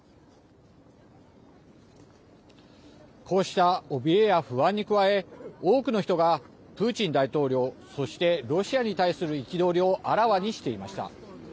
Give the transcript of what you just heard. こうしたおびえや不安に加え多くの人が、プーチン大統領そして、ロシアに対する憤りをあらわにしていました。